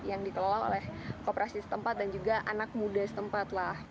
yang dikelola oleh kooperasi setempat dan juga anak muda setempat lah